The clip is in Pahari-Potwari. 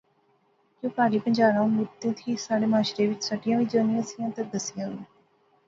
یو پہاڑی بنجاراں مدتیں تھیں ساڑھے معاشرے وچ سٹیاں وی جانیاں سیاں تہ دسیاں وی